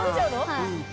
はい。